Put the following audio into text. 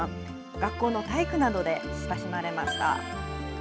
学校の体育などで親しまれました。